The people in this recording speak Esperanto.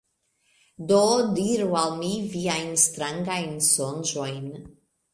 Do diru al mi viajn strangajn sonĝojn.